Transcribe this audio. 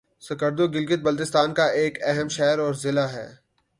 سکردو گلگت بلتستان کا ایک اہم شہر اور ضلع ہے